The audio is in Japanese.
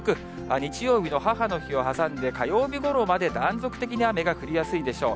日曜日の母の日を挟んで火曜日ごろまで断続的に雨が降りやすいでしょう。